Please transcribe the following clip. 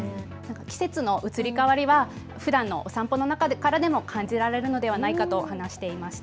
季節の移り変わりはふだんのお散歩の中からでも感じられるのではないかと話していました。